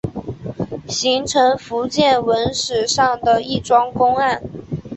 形成福建文史上的一桩公案。